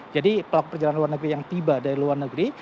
jadi pelaku perjalanan luar negeri yang tiba dari luar negeri